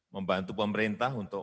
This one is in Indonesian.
membantu pemerintah untuk